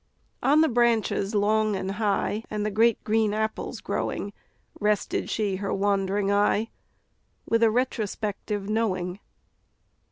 On the branches long and high, And the great green apples growing, Rested she her wandering eye, With a retrospective knowing.